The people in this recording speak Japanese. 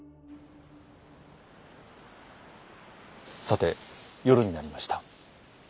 さて夜になりました。